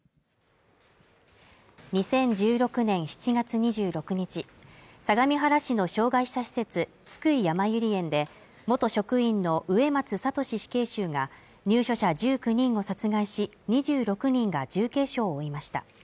２０１６年７月２６日相模原市の障害者施設津久井やまゆり園で元職員の植松聖死刑囚が入所者１９人を殺害し２６人が重軽傷を負いました